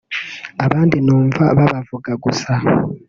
abandi numva babavuga gusa